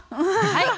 はい。